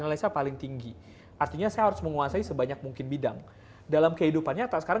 kalau kelihatan buruk saya menurut saya masih dapat lebih baik atau lebih blek